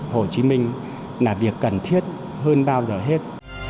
hồ chí minh là việc cần thiết hơn bao giờ hết